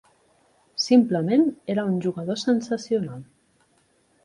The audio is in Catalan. Simplement era un jugador sensacional.